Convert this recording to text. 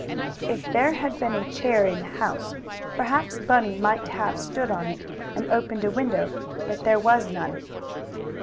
If there had been a chair in the house, perhaps Bunny might have stood on it and opened a window, but there was none.